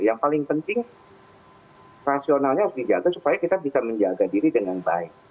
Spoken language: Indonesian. yang paling penting rasionalnya harus dijaga supaya kita bisa menjaga diri dengan baik